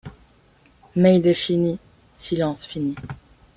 Mayday fini, silence fini.